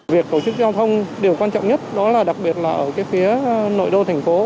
việc tổ chức giao thông điều quan trọng nhất đó là đặc biệt là ở cái phía nội đô thành phố